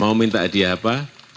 mau minta hadiah apa